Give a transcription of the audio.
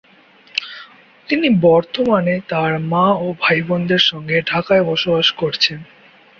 তিনি বর্তমানে তার মা ও ভাইবোনদের সঙ্গে ঢাকায় বসবাস করছেন।